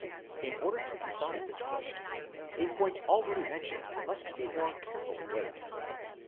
In order to decide this question, a point already mentioned must be more carefully weighed.